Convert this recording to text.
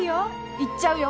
行っちゃうよ。